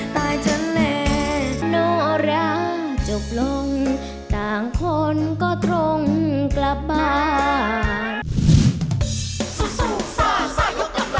โปรดติดตามตอนต่อไป